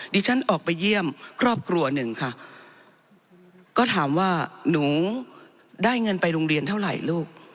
ฉันออกไปเยี่ยมครอบครัวหนึ่งค่ะก็ถามว่าหนูได้เงินไปโรงเรียนเท่าไหร่ลูก